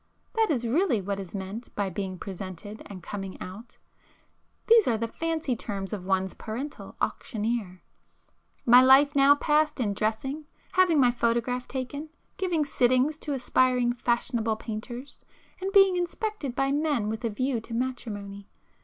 That is really what is meant by being 'presented' and 'coming out,'—these are the fancy terms of one's parental auctioneer. My life was now passed in dressing, having my photograph taken, giving 'sittings' to aspiring fashionable painters, and being 'inspected' by men with a view to matrimony.